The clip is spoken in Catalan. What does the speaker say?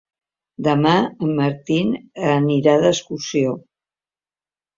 Demà en Martí anirà d'excursió.